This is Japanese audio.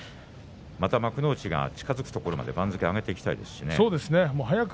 幕内が近づくところまで番付を上げたいところですね。